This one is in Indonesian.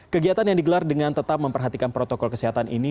kegiatan yang digelar dengan tetap memperhatikan protokol kesehatan ini